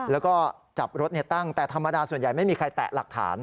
แล้วก็จับรถตั้งแต่ธรรมดาส่วนใหญ่ไม่มีใครแตะหลักฐาน